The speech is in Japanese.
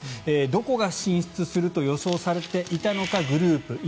どこが進出すると予想されていたのかグループＥ